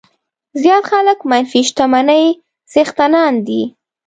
زیات خلک منفي شتمنۍ څښتنان دي.